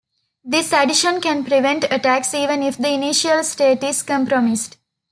This addition can prevent attacks even if the initial state is compromised.